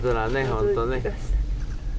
本当ね。